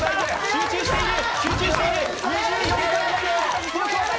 集中している。